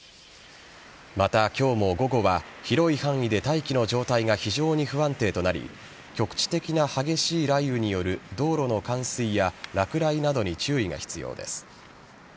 また今日も午後は広い範囲で大気の状態が非常に不安定となり局地的な激しい雷雨による道路の冠水や落雷などに注意が必要です。